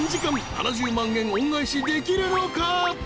７０万円恩返しできるのか？］